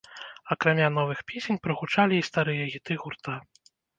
Акрамя новых песень прагучалі і старыя хіты гурта.